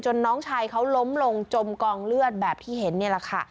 น้องชายเขาล้มลงจมกองเลือดแบบที่เห็นนี่แหละค่ะ